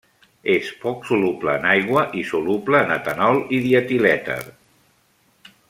És poc soluble en aigua i soluble en etanol i dietilèter.